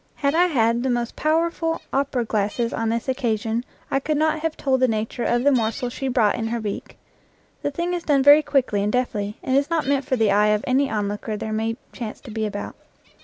Had I had the most powerful opera glasses on this occa sion, I could not have told the nature of the morsel she brought in her beak. The thing is done very quickly and deftly, and is not meant for the eye of any onlooker there may chance to be about.